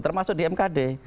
termasuk di mkd